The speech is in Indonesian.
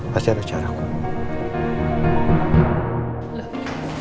pasti ada caraku